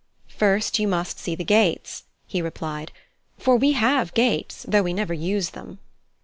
"First, you must see the gates," he replied, "for we have gates, though we never use them."